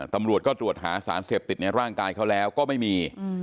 ตำรวจก็ตรวจหาสารเสพติดในร่างกายเขาแล้วก็ไม่มี